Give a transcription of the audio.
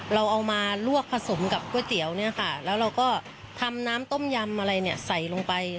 เราเอามาลวกผสมกับก๋วยเตี๋ยวเนี่ยค่ะแล้วเราก็ทำน้ำต้มยำอะไรเนี่ยใส่ลงไป